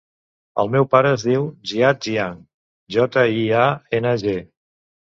El meu pare es diu Ziad Jiang: jota, i, a, ena, ge.